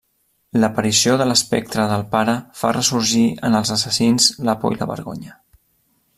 L'aparició de l'espectre del pare fa ressorgir en els assassins la por i la vergonya.